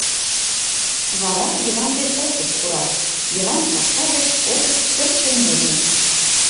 Вара Йыван ден Осып пурат: Йыван капка гыч, Осып пӧрт шеҥгечын.